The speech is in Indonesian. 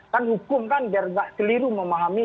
kan hukum kan biar nggak keliru memahami